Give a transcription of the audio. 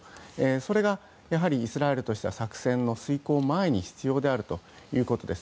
それが、イスラエルとしては作戦の遂行前に必要であるということです。